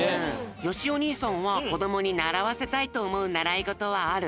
よしお兄さんはこどもにならわせたいとおもうならいごとはある？